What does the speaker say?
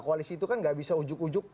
koalisi itu kan nggak bisa ujug ujug